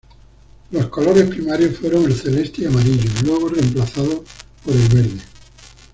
Los colores primarios fueron el celeste y amarillo, luego reemplazados por el verde.